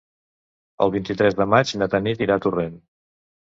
El vint-i-tres de maig na Tanit irà a Torrent.